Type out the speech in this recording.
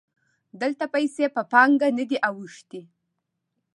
دلته پیسې په پانګه نه دي اوښتي